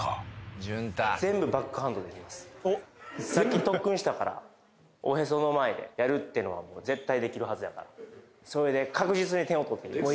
淳太さっき特訓したからおへその前でやるっていうのは絶対できるはずやからそれで確実に点を取っていきます